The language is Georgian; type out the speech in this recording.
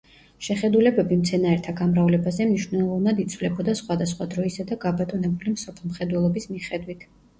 შეხედულებები მცენარეთა გამრავლებაზე მნიშვნელოვნად იცვლებოდა სხვადასხვა დროისა და გაბატონებული მსოფლმხედველობის მიხედვით.